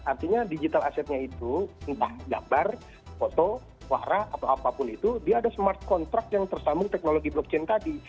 artinya digital assetnya itu entah gambar foto wara atau apapun itu dia ada smart contract yang tersambung teknologi blockchain tadi